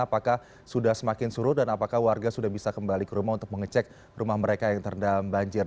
apakah sudah semakin surut dan apakah warga sudah bisa kembali ke rumah untuk mengecek rumah mereka yang terendam banjir